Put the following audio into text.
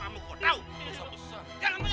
jadi kita beli gini